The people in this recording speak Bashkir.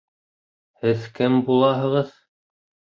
— Һеҙ кем булаһығыҙ?